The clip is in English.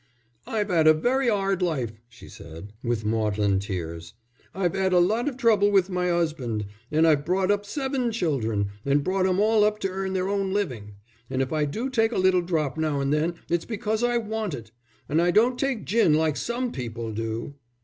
"I've 'ad a very 'ard life," she said, with maudlin tears, "I've 'ad a lot of trouble with my 'usband, and I've brought up seven children and brought them all up to earn their own living. And if I do take a little drop now and then it's because I want it. And I don't take gin like some people do."